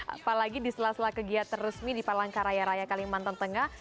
apalagi di sela sela kegiatan resmi di palangkaraya raya kalimantan tengah